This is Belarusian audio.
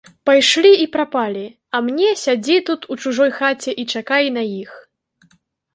Пайшлі і прапалі, а мне сядзі тут у чужой хаце і чакай на іх.